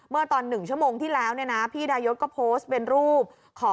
เมื่อตอน๑ชมที่แล้วพี่ดายศก็โพสเป็นรูป